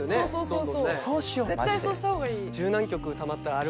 絶対そうした方がいい。